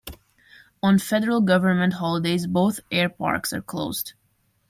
On federal government holidays both airparks are closed.